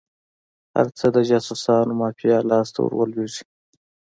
هر څه د جاسوسانو مافیا لاس ته ور ولویږي.